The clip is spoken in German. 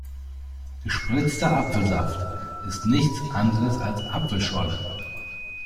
Gespritzter Apfelsaft ist nichts anderes als Apfelschorle.